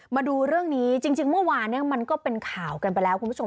มาดูเรื่องนี้จริงเมื่อวานเนี่ยมันก็เป็นข่าวกันไปแล้วคุณผู้ชม